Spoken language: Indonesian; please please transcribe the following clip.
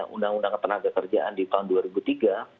undang undang ketenagakerjaan di tahun dua ribu tiga